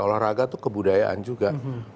olahraga itu kebudayaan juga